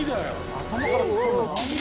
頭から突っ込むんだな。